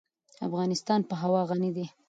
افغانستان په هوا غني دی.